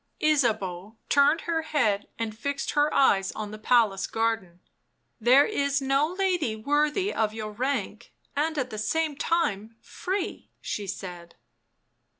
Ysabeau turned her head and fixed her eyes on the palace garden. " There is no lady worthy of your rank and at the same time free," she said.